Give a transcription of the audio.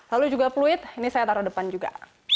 lalu juga pluit ini saya taruh depan juga